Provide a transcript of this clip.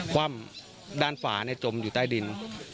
คว่ำด้านฝาจมอยู่ใต้ดิน